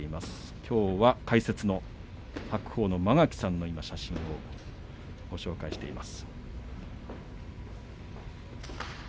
きょうは解説の白鵬の間垣さんの写真をご紹介しています。